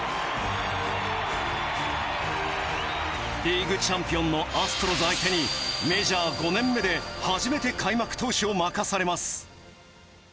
リーグチャンピオンのアストロズ相手にメジャー５年目で初めて開幕投手を任されます。